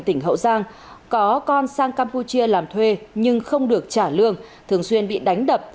tỉnh hậu giang có con sang campuchia làm thuê nhưng không được trả lương thường xuyên bị đánh đập